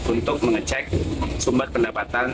untuk mengecek sumber pendapatan